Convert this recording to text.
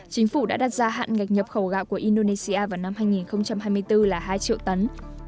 chính phủ đã đặt ra hạn ngạch nhập khẩu gạo của indonesia vào năm hai nghìn hai mươi bốn là hai triệu tấn